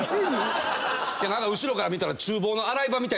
何か後ろから見たら。